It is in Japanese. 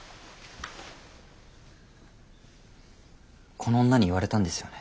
この女に言われたんですよね？